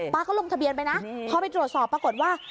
ก็ลงทะเบียนไปนะพอไปตรวจสอบปรากฏว่า